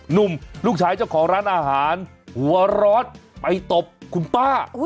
หนุ่มลูกชายเจ้าของร้านอาหารหัวร้อนไปตบคุณป้า